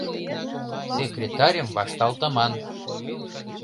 Секретарьым вашталтыман.